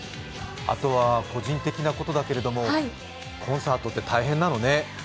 あとは個人的なことだけれども、コンサートって大変なのね。